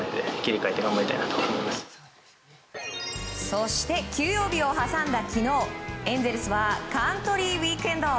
そして休養日を挟んだ昨日エンゼルスはカントリー・ウィークエンド。